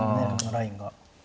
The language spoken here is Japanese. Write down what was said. ラインが。